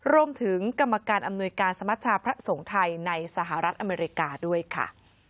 รวมถึงกรรมการอำนวยการสมัชชาพระสงฆ์ไทยในสหรัฐอเมริกาด้วยค่ะ